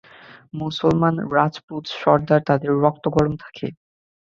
মুসলমান, রাজপুত, সরদার তাদের রক্ত গরম থাকে।